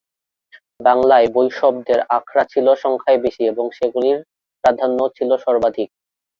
বাংলায় বৈষ্ণবদের আখড়া ছিল সংখ্যায় বেশি এবং সেগুলির প্রাধান্যও ছিল সর্বাধিক।